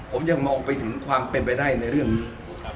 ผมยังมองไปถึงความเป็นไปได้ในเรื่องนี้